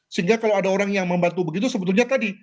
sehingga kalau ada orang yang membantu begitu sebetulnya tadi